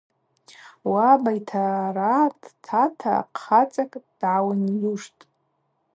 Уаба йтара дтата хъацӏакӏ дгӏауынйуштӏ.